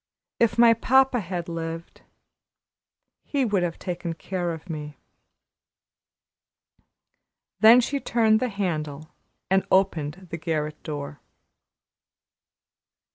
If my papa had lived, he would have taken care of me." Then she turned the handle and opened the garret door.